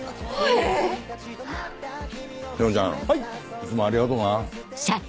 いつもありがとな。